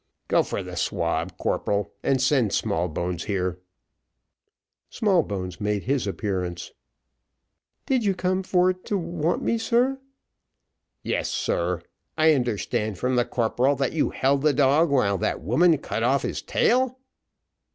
"Go for the swab, corporal, and send Smallbones here." Smallbones made his appearance. "Did you come for to want me, sir?" "Yes, sir. I understand from the corporal that you held the dog while that woman cut off his tail."